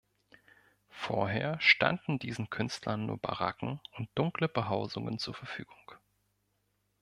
Vorher standen diesen Künstlern nur Baracken und dunkle Behausungen zur Verfügung.